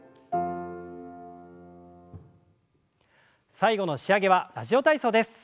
最後の仕上げは「ラジオ体操」です。